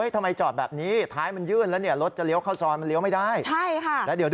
ทำไมจอดแบบนี้ท้ายมันยื่นแล้วรถจะเลี้ยวเข้าซอนมันเลี้ยวไม่ได้